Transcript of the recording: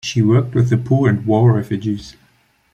She worked with the poor and war refugees.